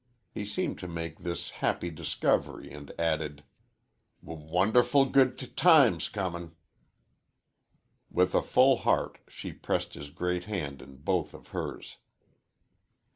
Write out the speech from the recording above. He seemed to make this happy discovery, and added, "W won derful good t times comin'." With a full heart she pressed his great hand in both of hers.